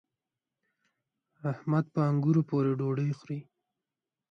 احمد په انګورو پورې ډوډۍ خوري.